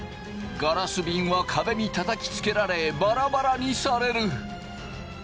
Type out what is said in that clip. ガラスびんは壁にたたきつけられバラバラにされる。